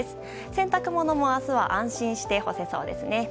洗濯物も明日は安心して干せそうですね。